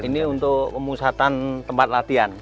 ini untuk pemusatan tempat latihan